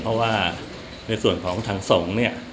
เพราะว่าในส่วนของทางสงฆ์เนี่ย